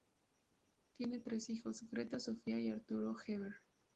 Tienen tres hijos: Greta, Sofía y Arturo Heber.